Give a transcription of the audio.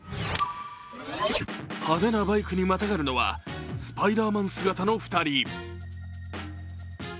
派手なバイクにまたがるのはスパイダーマン姿の２人。